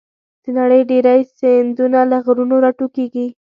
د نړۍ ډېری سیندونه له غرونو راټوکېږي.